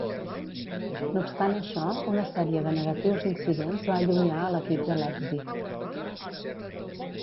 No obstant això, una sèrie de negatius incidents va allunyar a l'equip de l'èxit.